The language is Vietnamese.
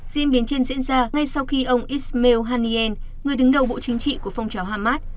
diễn biến trên diễn ra ngay sau khi ông ism haniel người đứng đầu bộ chính trị của phong trào hamas